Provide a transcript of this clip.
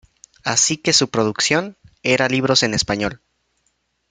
Así que su producción era libros en español.